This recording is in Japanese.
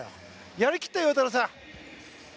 やり切ったよ、陽太郎さん。